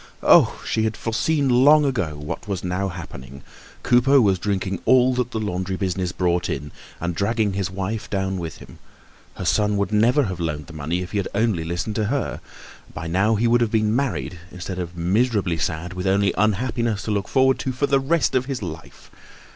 Oh! She had foreseen long ago what was now happening. Coupeau was drinking all that the laundry business brought in and dragging his wife down with him. Her son would never have loaned the money if he had only listened to her. By now he would have been married, instead of miserably sad with only unhappiness to look forward to for the rest of his life.